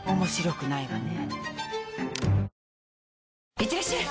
いってらっしゃい！